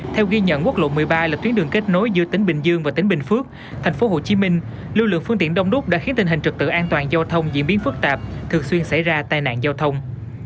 theo ghi nhận quốc lộ một mươi ba là tuyến đường kết nối giữa tỉnh bình dương và tỉnh bình phước tp hcm lưu lượng phương tiện đông đúc đã khiến tình hình trực tự an toàn giao thông diễn biến phức tạp thường xuyên xảy ra tai nạn giao thông